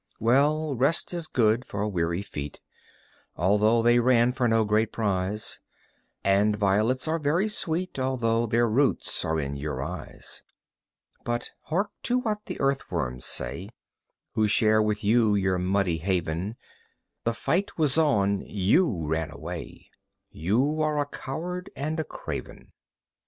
Well, rest is good for weary feet, Although they ran for no great prize; And violets are very sweet, Although their roots are in your eyes. But hark to what the earthworms say Who share with you your muddy haven: "The fight was on you ran away. You are a coward and a craven.